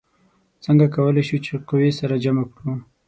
څنګه کولی شو چې قوې سره جمع کړو؟